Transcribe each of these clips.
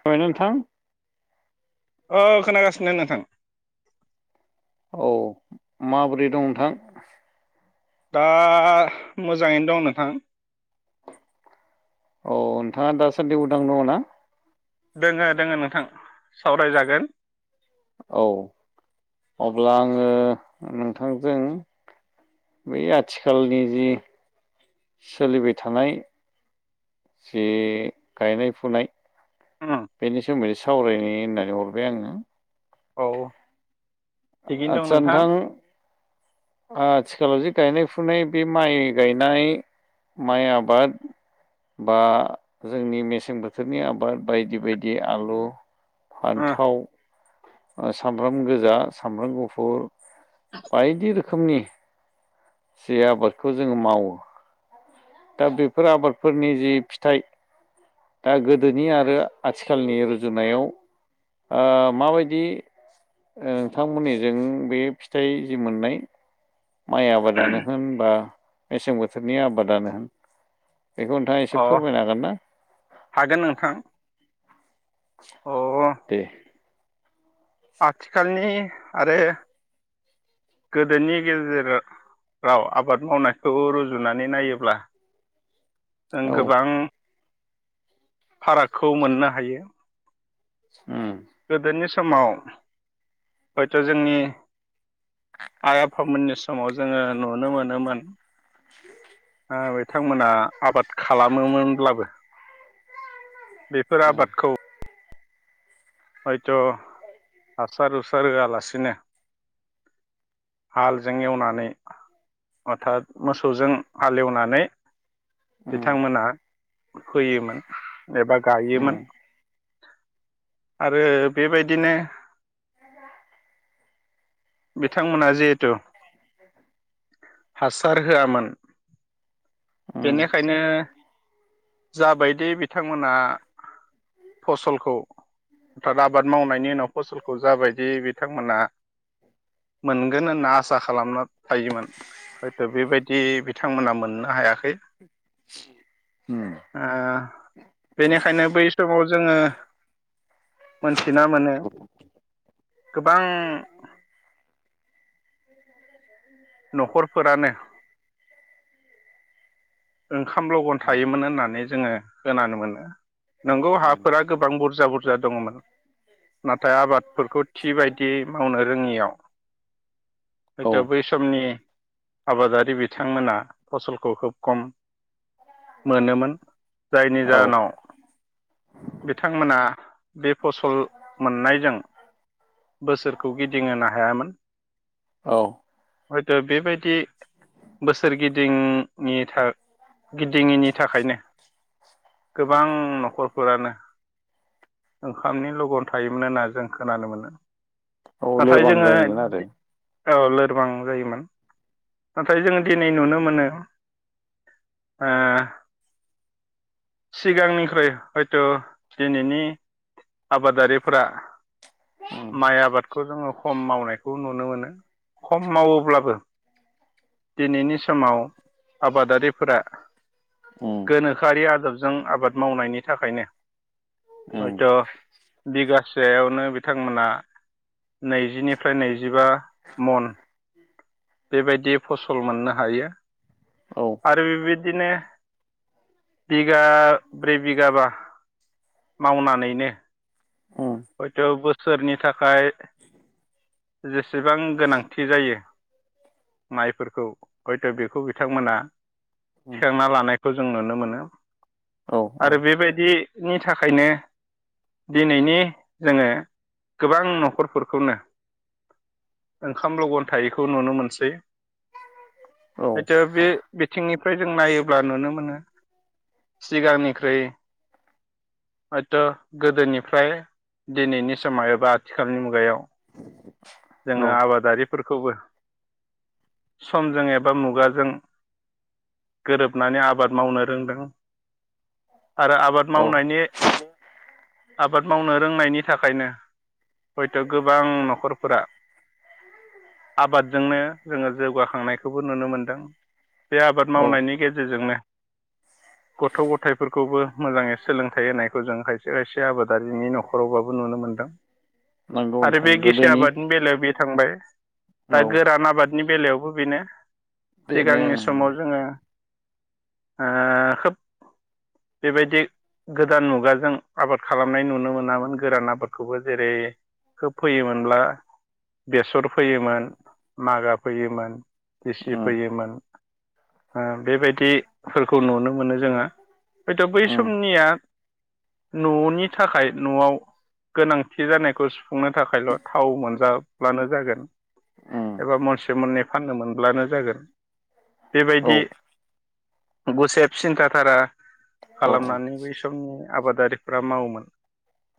[unintelligible] नोंथां अ खोनागासिनो नोंथां। औ माबोरै दं नोंथां? औ दा मोजाङैनो दं नोंथां। औ नोंथाङा दासान्दि उदां दङ ना? दोङो दोङो नोंथां सावरायजागोन। औ अब्ला आङो नोंथांजों बै आथिखालनि जि सोलिबाय थानाय जि गायनाय फुनाय उम बेनि सोमोन्दै सावरायनो होननानै हरबाय आङो। औ थिगैनो दं आच्छा नोंथां आथिखालाव जे गायनाय फुनाय बे माइ गायनाय माइ आबाद बा जोंनि मेसें बोथोरनि आबाद बायदि बायदि आलु उम फान्थाव सामब्राम गोजा सामब्राम गुफुर बायदि रोखोमनि जे आबादखौ जोङो मावो। दा बेफोर आबादफोरनि जि फिथाइ दा गोदोनि आरो आथिखालनि रुजुनायाव ओ माबायदि नोंथांमोननिजों बे फिथाइ जि मोननाय माइ आबादानो होन बा मेसें बोथोरनि आबादानो होन। बेखौ नोंथाङा एसे अ फोरमायनो हागोन ना? हागोन नोंथां। अ दे आथिखालनि आरो गोदोनि गेजेराव राव आबाद मावनायखौ रुजुनानै नायोब्ला जों औ गोबां फारागखौ मोननो हायो। उम गोदोनि समाव हयथ' जोंनि आइ आफामोननि समाव जोङो नुनो मोनोमोन। आ बिथांमोना आबाद खालामोमोनब्लाबो बेफोर आबादखौ हयथ' हासार उसार होआलासिनो हालजों एवनानै अथात मोसौजों हालेवनानै उम बिथांमोना फोयोमोन एबा गायोमोन उम आरो बेबायदिनो बिथांमोना जिहेथु हासार होआमोन बेनिखायनो जाबायदि बिथांमोना फसलखौ अर्थात आबाद मावनायनि उनाव फसलखौ जाबायदि बिथांमोना मोनगोन होनना आसा खालामना थायोमोन। हयथ' बेबायदि बिथांमोना मोननो हायाखै? उम ओ बेनिखायनो बै समाव जोङो मोनथिना मोनो। गोबां [inaudible] न'खरफोरानो ओंखाम लगन उम थायोमोन होननानै जोङो खोनानो मोनो। नंगौ उम हाफोरा गोबां बुरजा बुरजा दङमोन। नाथाय आबादफोरखौ थि बायदियै मावनो रोङियाव औ हयथ' बै समनि आबादारि बिथांमोना फसलखौ खोब खम मोनोमोन जायनि औ जाहोनाव बिथांमोना बे फसल मोननायजों बोसोरखौ गिदिंहोनो हायामोन। औ। हयथ' बेबायदि बोसोरगिदिंनि था गिदिङिनि थाखायनो गोबां न'खरफोरानो ओंखामनि लगन थायोमोन होनना जों खोनानो मोनो औ नाथाय लोरबां जोङो जायोमोन आरो लोरबां जायोमोन। नाथाय जोङो दिनै नुनो मोनो ओ सिगांनिख्रुइ हयथ' दिनैनि आबादारिफोरा उम माइ आबाद खौ जोङो खम मावनायखौ नुनो मोनो खम मावोब्लाबो दिनैनि समाव आबादारिफोरा उम। गोनोखोआरि आदबजों आबाद मावनायनि थाखायनो उम हयथ' बिगासेयावनो बिथांमोना नैजिनिफ्राय नैजिबा मन बेबायदि फसल मोननो हायो। औ। आरो बेबायदिनो बिगा ब्रै बिगाबा मावनानैनो उ। हयथ' बोसोरनि थाखाय [inaudible] जेसेबां गोनांथि जायो। माइफोरखौ हयथ' बेखौ बिथांमोना औ। थिखांना लानायखौ जों नुनो मोनो औ औ आरो बेबायदि नि थाखायनो दिनैनि जोङो गोबां न'खरफोरखौनो ओंखाम लगन थायैखौ नुनो मोनसै औ हथ' बे बिथिंनिफ्राय जों नायोब्ला नुनो मोनो सिगांनिख्रुइ हयथ' गोदोनिफ्राय दिनैनि समाव एबा आथिखालनि मुगायाव जोङो औ आबादारि फोरखौबो समजों एबा मुगाजों गोरोबनानै आबाद मावनो रोंदों। आरो आबाद औ मावनायनि आबाद मावनो रोंनायनि थाखायनो हयथ' गोबां न'खरफोरा आबादजोंनो जोङो जौगाखांनायखौबो नुनो मोनदों बे आबाद औ मावनायनि गेजेरजोंनो गथ' गथायफोरखौबो मोजाङै सोलोंथाइ होनायखौ जों खाय से खायसे आबादारिनि न'खरावबाबो नुनो मोनदों। नंगौ आरो नोंथां बे गिसे गोदोनि आबादनि बेलायाव बे थांबाय दा औ गोरान आबादनि बेलायावबो बेनो। बेनो सिगांनि समाव उम जोङो ओ खोब बेबायदि गोदान मुगाजों आबाद खालामनाय नुनो मोनामोन। गोरान आबादखौबो जेरै खोब फैयोमोनब्ला बेसर फैयोमोन मागा फैयोमोन। दिसि फैयोमोन बेबायदिफोरखौ नुनो मोनो जोङो। हयथ' बै उम समनिया न'नि थाखाय न'आव गोनांथि जानायखौ सुफुंनो थाखायल' थाव मोनजाब्लानो जागोन, उम एबा मनसे मननै फाननो मोनब्लानो जागोन। बेबायदि औ गुसेब सिन्था धारा औ खालामनानै बै सम समनि आबादारिफ्रा मावोमोन।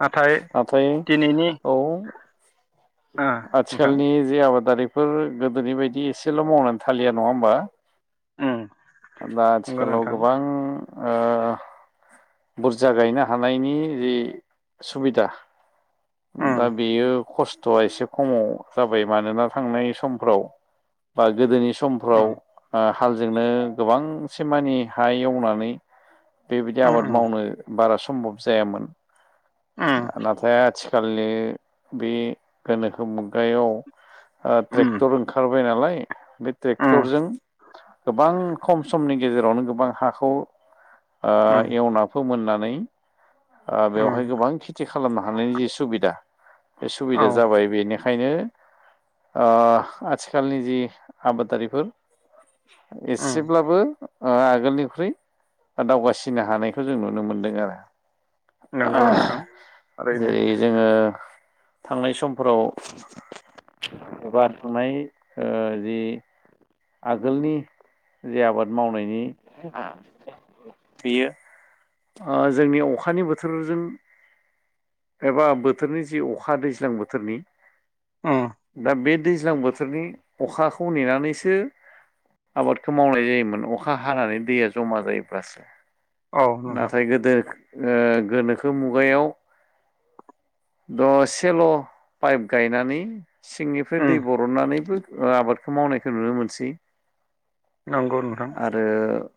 नाथाय नाथाय दिनैनि औ ओ नोंथां आथिखालनि जे आबादारिफोर गोदोनि बायदि एसेल' मावनानै थालिया नङा होमबा। उम। दा नंगौ आथिखालाव नोंथां गोबां ओ बुरजा गायनो हानायनि जि सुबिदा उम दा बेयो खस्थ थ'आ एसे खमाव जाबाय मानोना थांनाय समफ्राव बा गोदोनि सम समफ्राव उम आ हालजोंनो गोबांसे मानि हा एवनानै बेबायदि उम आबाद उम मावनो बारा सम्भब जायामोन। उम नाथाय खाललि बे गोनोखो मुगायाव उम ट्रेक्टर ओंखारबाय नालाय बे उम ट्रेक्टरजों गोबां खम समनि गेजेरावनो गोबां हाखौ उम एवना फोमोननानै बेवहाय उम गोबां खेथि खालामनो हानायनि जि सुबिदा बे औ सुबिदाया जाबाय बेनिखायनो आ- आथिखालनि जि आबादारिफोर उम एसेब्लाबो आगोलनिख्रुइ दावगासिननो हानायखौ जों नुनो मोनदों आरो। नंगौ नोंथां ओरैनो जेयै जोङो थांनाय समफोराव एबा थानाय जि आगोलनि जे आबाद मावनायनि बेयो जोंनि अखानि बोथोरजों एबा बोथोरनि जि अखा दैज्लां बोथोरनि उम दा बे दैज्लां बोथोरनि अखाखौ नेनानैसो आबादखौ मावनाय जायोमोन अखा हानानै दैया जमा जायोबासो। औ नंगौ नाथाय गोदो गोनोखो मुगायाव द' सेल' पाइप गायनानै सिंनिफ्राय दै उम ब बरननानैबो आबादखौ मावनायखौ नुनो मोनसै। नंगौ नोंथां। [unintelligible]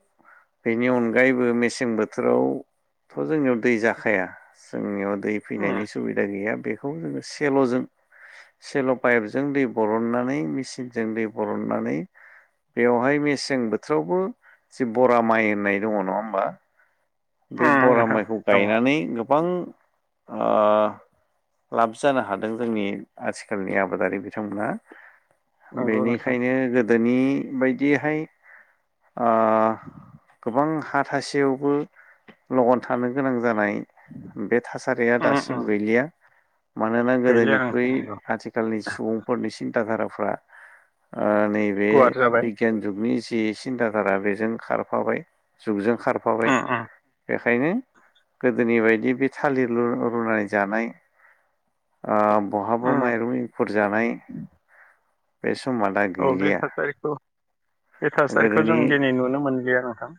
बेनि अनगायैबो मेसें बोथोरावथ' जोंनियाव दै जाखाया। जोंनियाव दै उम फैनायनि सुबिदा गैया बेखौ जोङो सेल'जों सेल' पाइपजों दै बरननानै मेचिनजों दै बरननानै बेवहाय मेसें बोथोरावबो जि बरा माइ होननाय दङ नङा होमबा। बे बरा नोंथां माइखौ दङ गायनानै गोबां ओ लाब जानो हादों जोंनि आथिखालनि आबादारि बिथांमोना। नंगौ नोंथां बेनिखायनो गोदोनि बाय दिहाय ओ गोबां हा थासेयावबो लगन थानो गोनां जानाय बे थासारिया उम उम दासिम गैलिया। मानोना गैलिया नोंथां गोदोनिख्रुइ नंगौ आथिखालनि सुबुंफोरनि सिन्था धाराफ्रा ओ नैबे गुवार जाबाय बिगियान जुगनि जि सिन्थाधारा बेजों खारफाबाय जुगजों खारफाबाय। उम उम। बेखायनो गोदोनि बायदि बे थालिर रुनानै जानाय ओ बहाबा उम माइरं एंखुर जानाय [unintelligible] औ बे थासारिखौ बे थासारिखौ गोदोनि जों दिनै नुनो मोनलिया नोंथां।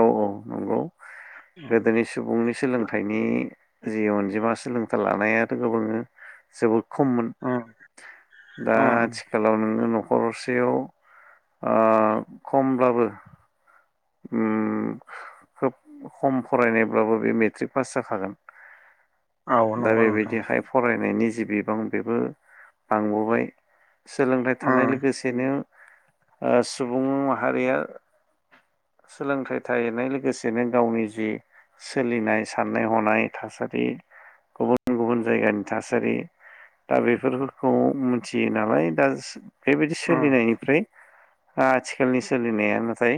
औ औ नंगौ गोदोनि सुबुंनि सोलोंथाइनि जि अनजिमा सोलोंथाइ लानायाथ' गोबाङो जोबोद खममोन उम दा उम आथिखालाव नोंङो न'खर नखरसेयाव ओ खमब्लाबो उम खोब खम फरायनायब्लाबो बे मेट्रिक पास जाखागोन। औ दा नंगौ नोंथां बेबायदिहाय फरायनायनि जि बिबां बेबो बांबोबाय। सोलोंथाइ थानाय उम लोगोसेनो ओ सुबुं माहारिया सोलोंथाइ थाहैनाय लोगोसेनो गावनि जि सोलिनाय साननाय हनाय थासारि गुबुन गुबुन जायगानि थासारि दा बेफोरखौ मोनथियो नालाय दा बेबायदि उम सोलिनायनिफ्राय आथिखालनि सोलिनाया नाथाय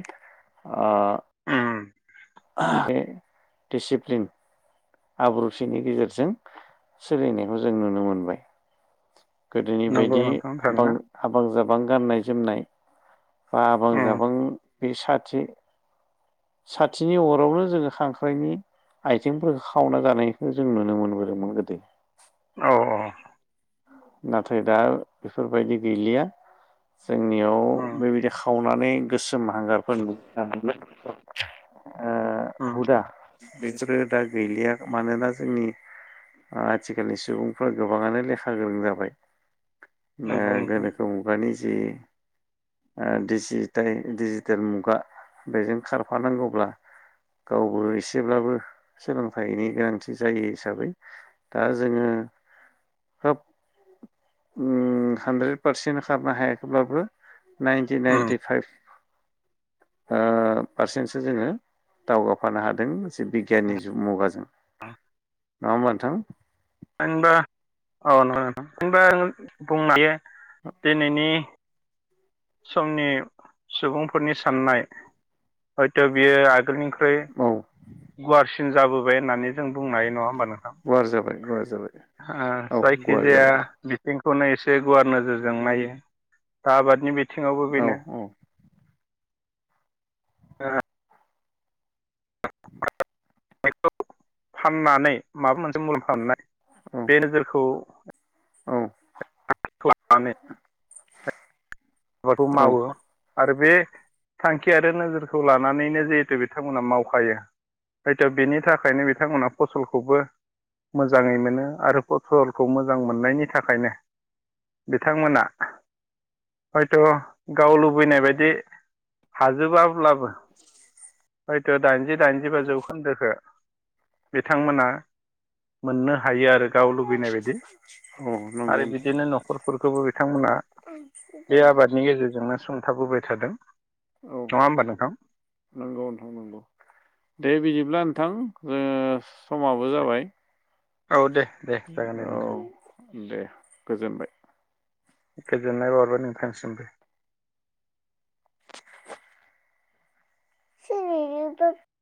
आ उम। [unintelligible] बे डिसिप्लिन आब्रुथिनि गेजेरजों सोलिनायखौ जों नुनो मोनबाय। गोदोनि नंगौ बायदि नोंथां थारैनो आबां जाबां गाननाय जोमनाय बा आबां उम जाबां बे साथि साथिनि अरावनो जोंङो खांख्राइनि आथिंफोर खावना जानायखौ जों नुनो मोनबोदोंमोन गोदो। औ औ। नाथाय दा बेफोरबायदि गैलिया। जोंनियाव उम बेबायदि खावनानै गोसोम हांगारफोर नु [unintelligible] [unintelligible] ओ उम हुदा। बिसोरो दा गैलिया मानोना जोंनि आथिखालनि सुबुंफोर गोबाङानो लेखा गोरों जाबाय। ओ नंगौ नोंथां गोनोखो मुगानि जि ओ डिजि डिजिटेल मुगा बेजों खारफानांगौब्ला गावबो एसेब्लाबो सोलोंथाइनि गोनांथि जायो हिसाबै दा जोंङो होब ओम हानद्रेद पारसेन्ट खारनो हायाखैब्लाबो नाइन्टि उम नाइन्टि फाइभ ओ पारसेन्टसो जोंङो दावगाफानो हादों एसे बिगियाननि मुगाजों नङा होमबाथां? [unintelligible] दिनैनि समनि सुबुंफोरनि साननाय हयथ' बियो आगोलनिख्रुइ औ गुवारसिन जाबोबाय होननानै जों बुंनायायो नङा होमबा नों गुवार जाबाय गुवार जाबाय ओ औ गुवार जायखिजाया जाबाय बिथिंखौनो एसे गुवार नोजोरजों नायो दा आबादनि बिथिंङावबो औ बेनो। ओ [inaudible] [unintelligible] फाननानै माबा मोनसे मुलाम्फा मोननाय औ बे नोजोरखौ औ। [unintelligible] एबाथ' औ मावो। आरो बे थांखि आरो नोजोरखौ लानानैनो जिहेथु बिथांमोना मावखायो। हयथ' बेनि थाखायनो बिथांमोना फसलखौबो मोजाङै मोनो। आरो सलखौ मोजां मोननायनि थाखायनो बिथांमोना हयथ' गाव लुबैनाय बायदि हाजोबाब्लाबो दाइनजि दाइनजिबा जौखोन्दोखो बिथांमोना मोननो हायो आरो। गाव लुबैनाय बायदि औ नंगौ आरो नोंथां बिदिनो न'खरफोरखौबो बिथांमोना [inaudible] बे आबादनि गेजेरजोंनो सुंथाबबाय थादों औ नङा होमबा नोंथां। नंगौ नोंथां नंगौ दे बिदिब्ला नोंथां समाबो जाबाय। औ दे। दे जागोन दे नोंथां औ दे गोजोनबाय। गोजोननाय हरबाय नोंथांनिसिमबो। [unintelligible]